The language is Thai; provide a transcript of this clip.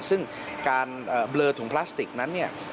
ซึ่งการเบลอถุงพลาสติกนั้นเนี่ย